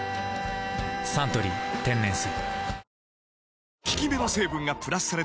「サントリー天然水」